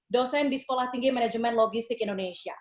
dosen di sekolah tinggi manajemen logistik indonesia